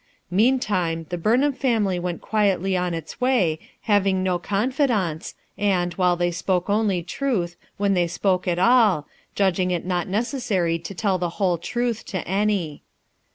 Meantime, the Burnham family went quietly on its way, hav ing no confidants, and, wliile they spoke only truth when they spoke at all, judging it not necessary to tell the whole truth to any.